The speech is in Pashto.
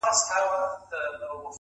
علم د ذهن ښکلا ده.